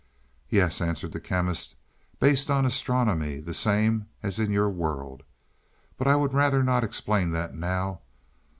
"Yes," answered the Chemist, "based on astronomy the same as in your world. But I would rather not explain that now.